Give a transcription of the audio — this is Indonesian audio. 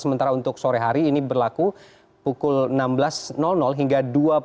sementara untuk sore hari ini berlaku pukul enam belas hingga dua puluh